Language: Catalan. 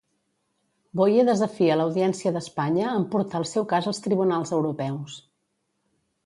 Boye desafia l'Audiència d'Espanya amb portar el seu cas als tribunals europeus.